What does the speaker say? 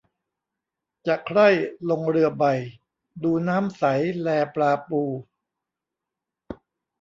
จะใคร่ลงเรือใบ ดูน้ำใสแลปลาปู